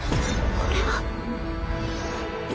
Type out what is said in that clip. これは？